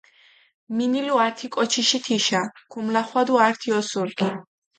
მინილუ ართი კოჩიში თიშა, ქუმლახვადუ ართი ოსურქ.